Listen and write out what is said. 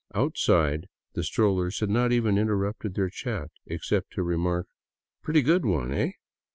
Outside, the strollers had not even interrupted their chat, except to remark, " Pretty good one, eh?"